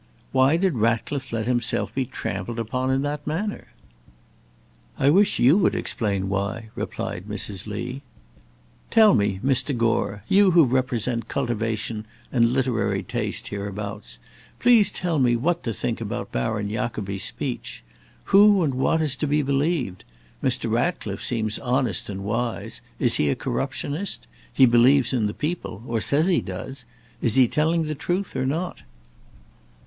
"Why did Ratcliffe let himself be trampled upon in that manner?" "I wish you would explain why," replied Mrs. Lee; "tell me, Mr. Gore you who represent cultivation and literary taste hereabouts please tell me what to think about Baron Jacobi's speech. Who and what is to be believed? Mr. Ratcliffe seems honest and wise. Is he a corruptionist? He believes in the people, or says he does. Is he telling the truth or not?"